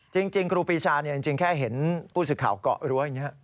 จริงครูปีชาจริงแค่เห็นผู้ศึกข่าวกะเมื่อกี้